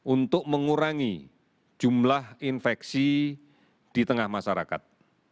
untuk mengurangi jumlah infeksi di tengah masyarakat